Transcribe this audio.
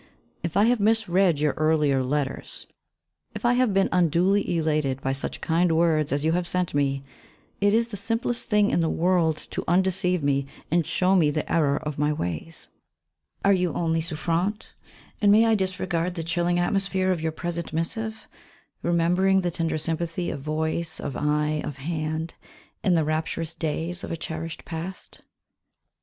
If I have misread your earlier letters, if I have been unduly elated by such kind words as you have sent me, it is the simplest thing in the world to undeceive me and show me the error of my ways. Are you only souffrante, and may I disregard the chilling atmosphere of your present missive, remembering the tender sympathy of voice, of eye, of hand, in the rapturous days of a cherished past?